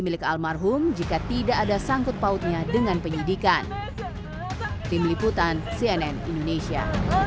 milik almarhum jika tidak ada sangkut pautnya dengan penyidikan tim liputan cnn indonesia